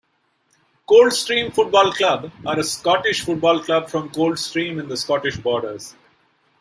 Coldstream Football Club are a Scottish football club from Coldstream in the Scottish Borders.